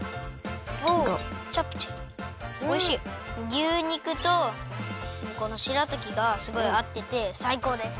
牛肉とこのしらたきがすごいあっててさいこうです。